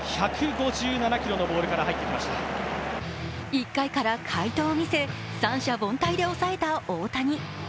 １回から快投を見せ、三者凡退で抑えた大谷。